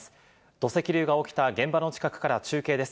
土石流が起きた現場の近くから中継です。